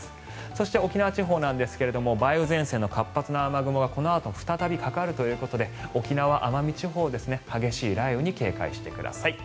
そして、沖縄地方ですが梅雨前線の活発な雨雲がこのあと再びかかるということで沖縄・奄美地方、激しい雷雨に警戒してください。